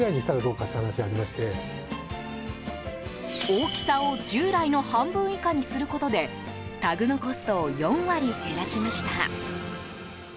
大きさを従来の半分以下にすることでタグのコストを４割減らしました。